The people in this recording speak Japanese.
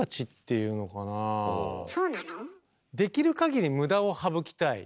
できるかぎり無駄を省きたい。